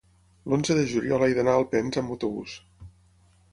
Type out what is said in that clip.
l'onze de juliol he d'anar a Alpens amb autobús.